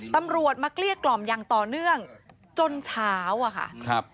ตำรวจมาเกลี้ยกล่อมอย่างต่อเนื่องจนเช้าอะค่ะครับ